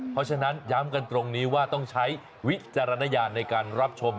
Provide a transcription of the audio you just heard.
เพราะฉะนั้นย้ำกันตรงนี้ว่าต้องใช้วิจารณญาณในการรับชม